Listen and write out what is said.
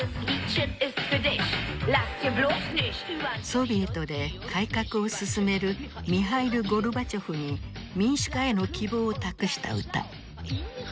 ソビエトで改革を進めるミハイル・ゴルバチョフに民主化への希望を託した歌。